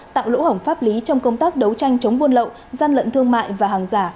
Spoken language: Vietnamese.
tạo lỗ hổng pháp lý trong công tác đấu tranh chống buôn lậu gian lận thương mại và hàng giả